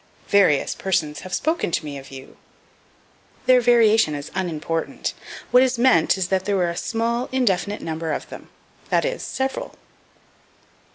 "Various persons have spoken to me of you." Their variation is unimportant; what is meant is that there was a small indefinite number of them; that is, several.